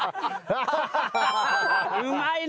うまいな。